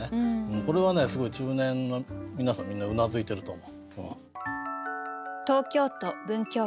これはねすごい中年の皆さんみんなうなずいてると思う。